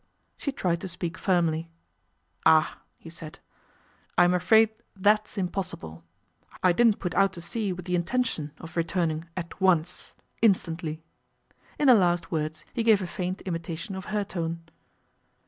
She tried to speak firmly. 'Ah!' he said, 'I am afraid that's impossible. I didn't put out to sea with the intention of returning at once, instantly.' In the last words he gave a faint imitation of her tone.